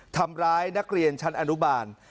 ทำร้ายนักเรียนชั้นอนุบาล